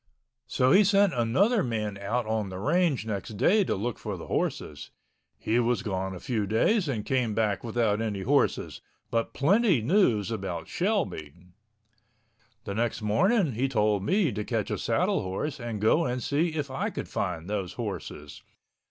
So he sent another man out on the range next day to look for the horses. He was gone a few days and came back without any horses ... but plenty news about Shelby. The next morning he told me to catch a saddle horse and go and see if I could find those horses.